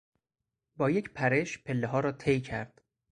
با یک پرش پلهها را طی کرد.